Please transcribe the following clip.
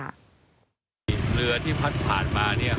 เรือที่พัดผ่านมา